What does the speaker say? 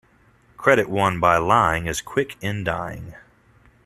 Credit won by lying is quick in dying.